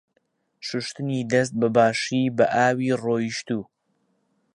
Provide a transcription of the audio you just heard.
شوشتنی دەست بە باشی بە ئاوی ڕۆیشتوو.